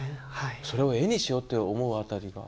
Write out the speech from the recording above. それを絵にしようと思うあたりが。